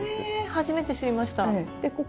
へえ初めて知りました。